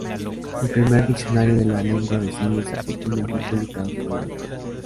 El primer diccionario de la Lengua de Señas Argentina fue publicado por la Dra.